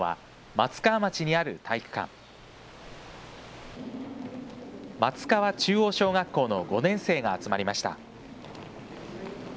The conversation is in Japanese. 松川中央小学校の５年生が集まりました。